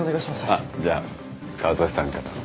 あっじゃ川添さんから。